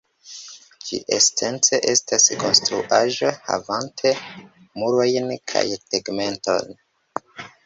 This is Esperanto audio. Ĝi esence estas konstruaĵo, havante murojn kaj tegmenton.